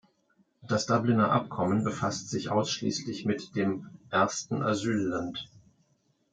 Das Dubliner Abkommen befasst sich ausschließlich mit dem ersten Asylland.